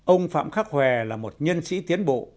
ông phạm khắc hòe là một nhân sĩ tiến bộ